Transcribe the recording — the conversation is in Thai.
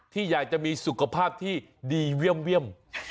ที่จะมีสุขภาพที่ดีเว้ยม